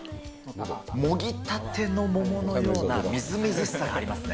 もぎたての桃のようなみずみずしさがありますね。